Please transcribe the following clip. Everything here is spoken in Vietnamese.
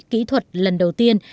kỹ thuật lần đầu tiên